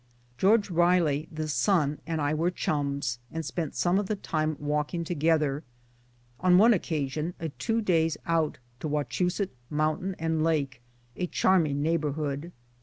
George Riley, the son, and I were chums, and spent some of the time walking together on one occasion a two days * out ' to Wachusett, mountain and lake, a charming neigh borhood.